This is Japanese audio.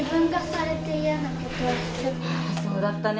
ああそうだったね。